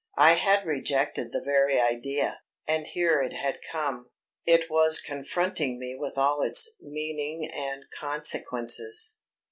I had rejected the very idea, and here it had come; it was confronting me with all its meaning and consequences.